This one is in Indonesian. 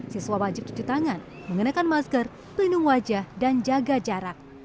siswa wajib cuci tangan mengenakan masker pelindung wajah dan jaga jarak